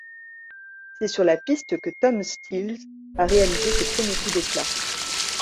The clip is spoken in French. C'est sur la piste que Tom Steels a réalisé ses premiers coups d'éclat.